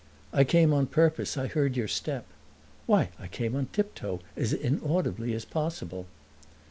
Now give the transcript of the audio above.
"I came on purpose I heard your step." "Why, I came on tiptoe, as inaudibly as possible."